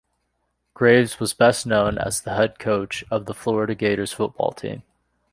Graves was best known as the head coach of the Florida Gators football team.